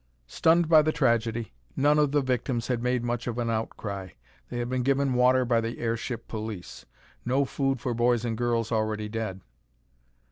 Stunned by the tragedy, none of the victims had made much of an outcry. They had been given water by the airship police. No food for boys and girls already dead.